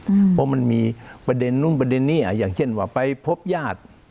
เพราะมันมีประเด็นนู่นประเด็นนี้อ่ะอย่างเช่นว่าไปพบญาติ